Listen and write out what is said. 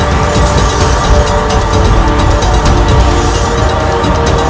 aku tidak akan membiarkan semua ini